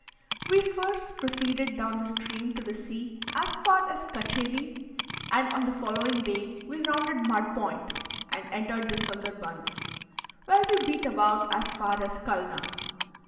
We first proceeded down the stream to the sea as far as Katcherie, and on the following day we rounded Mud Point, and entered the Sonderbunds, where we beat about as far as Culna.